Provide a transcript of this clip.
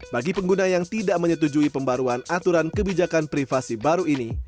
bagi pengguna yang tidak menyetujui pembaruan aturan kebijakan privasi baru ini